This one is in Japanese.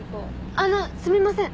あのすみません。